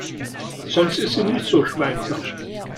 Sonst ist sie nicht so schweigsam.